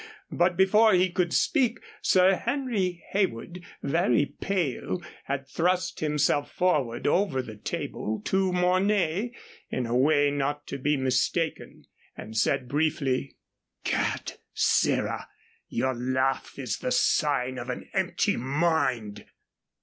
But before he could speak, Sir Henry Heywood, very pale, had thrust himself forward over the table to Mornay in a way not to be mistaken, and said, briefly: "Gad, sirrah, your laugh is the sign of an empty mind!"